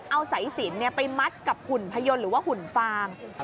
เอาสายสินไปมัดกับหุ่นพยนต์หรือว่าหุ่นฟาง